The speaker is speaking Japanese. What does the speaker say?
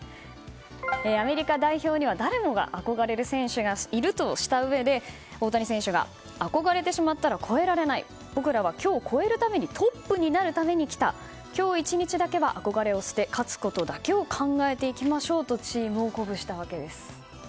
アメリカ代表には誰もが憧れる選手がいるとしたうえで大谷選手が憧れてしまったら超えられない僕らは今日、超えるためにトップになるために来た今日１日だけは憧れを捨て勝つことだけを考えていきましょうとチームを鼓舞したわけです。